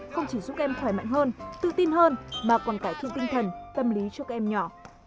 không chỉ giúp các em thoải mạnh hơn tự tin hơn mà còn cải thiện tinh thần tâm lý cho các em nhỏ